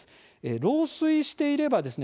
漏水していればですね